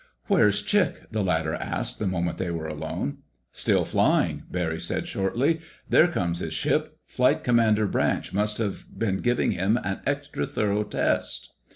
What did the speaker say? "Where's Chick?" the latter asked, the moment they were alone. "Still flying," Barry said shortly. "There comes his ship. Flight Commander Branch must have been giving him an extra thorough test."